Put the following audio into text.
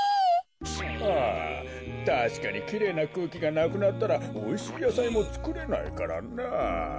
ああたしかにきれいなくうきがなくなったらおいしいやさいもつくれないからなあ。